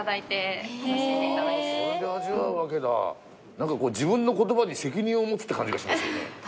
何かこう自分の言葉に責任を持つって感じがしますね。